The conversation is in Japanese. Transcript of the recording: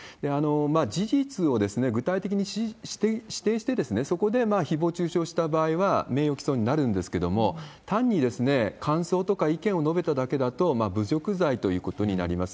事実を具体的に指定して、そこでひぼう中傷した場合は名誉毀損になるんですけれども、単に感想とか意見を述べただけだと、侮辱罪ということになります。